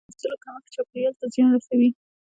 د ځنګلونو د مینځلو کمښت چاپیریال ته زیان رسوي.